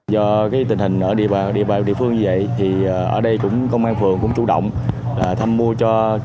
do tình hình ở địa phương như vậy thì ở đây công an phường cũng chủ động thăm mua cho